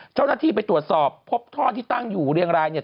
เจ้าหน้าที่ไปตรวจสอบพบท่อที่ตั้งอยู่เรียงรายเนี่ย